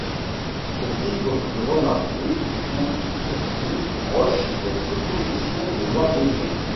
Ce titre fut remarqué pour son style proche des compositions de Noir Désir.